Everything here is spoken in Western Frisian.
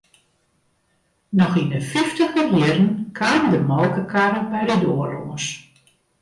Noch yn 'e fyftiger jierren kaam de molkekarre by de doar lâns.